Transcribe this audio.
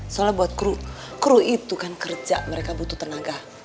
soalnya buat kru itu kan kerja mereka butuh tenaga